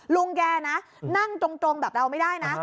ลุงแกนะนั่งตรงแบบเราไม่ได้นะ